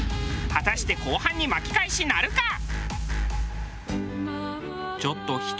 果たして後半に巻き返しなるか？